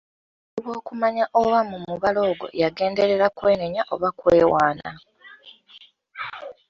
Kizibu okumanya oba mu mubala ogwo yagenderera kwenenya oba kwewaana.